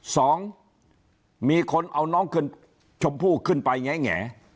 สองคนเอาน้องชมพู่ขึ้นไปแง่